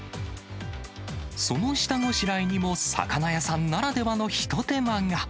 その下ごしらえにも魚屋さんならではのひと手間が。